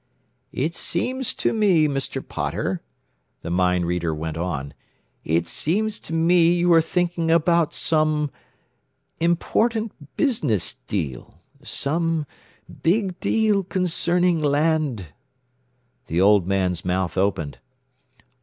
"It seems to me, Mr. Potter," the mind reader went on, "it seems to me you are thinking about some important business deal some big deal concerning land." The old man's mouth opened.